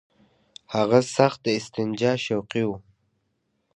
هغه سخت د استنجا شوقي وو.